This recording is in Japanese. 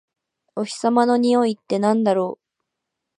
お日様のにおいってなんだろう？